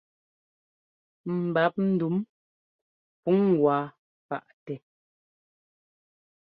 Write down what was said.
Ḿbap ndǔm pǔŋ wá paʼtɛ.